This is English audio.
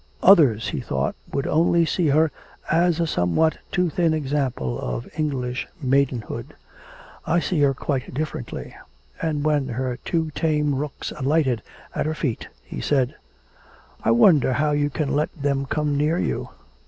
'Others,' he thought, 'would only see her as a somewhat too thin example of English maidenhood. I see her quite differently.' And when her two tame rooks alighted at her feet, he said: 'I wonder how you can let them come near you.'